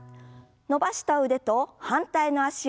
伸ばした腕と反対の脚を前です。